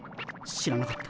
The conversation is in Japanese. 知らなかった。